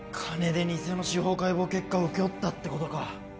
金で偽の司法解剖結果を請け負ったってことか